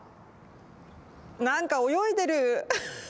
なんか泳いでる！